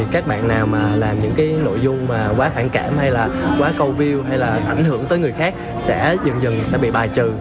các bạn nào làm những nội dung quá phản cảm hay quá câu view hay ảnh hưởng tới người khác sẽ dần dần bị bài trừ